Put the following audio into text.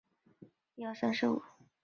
与人牙化石共存的有大熊猫和貘。